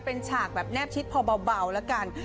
เป็นฉากแนบชิดพอเบาละกัน